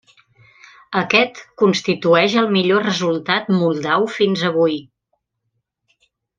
Aquest constitueix el millor resultat moldau fins avui.